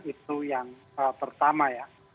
itu yang pertama ya